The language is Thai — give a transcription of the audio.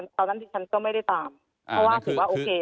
ตอนนั้นที่ฉันก็ไม่ได้ตามเพราะว่าถือว่าโอเค